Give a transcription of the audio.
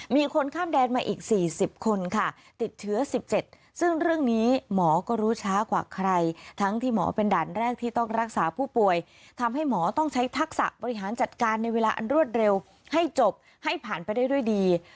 มีคนข้ามแดนมาอีก๔๐คนค่ะติดเชื้อ๑๗ซึ่งเรื่องนี้หมอก็รู้ช้ากว่าใครทั้งที่หมอเป็นด่านแรกที่ต้องรักษาผู้ป่วยทำให้หมอต้องใช้ทักษะบริหารจัดการในเวลาอันรวดเร็วให้จบให้ผ่านไปได้ด้วยดี